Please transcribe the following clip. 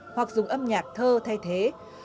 hoặc dùng âm nhạc thơ thay thế